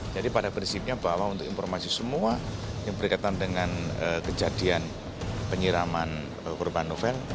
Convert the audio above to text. jadi pada prinsipnya bahwa untuk informasi semua yang berkaitan dengan kejadian penyiraman korban novel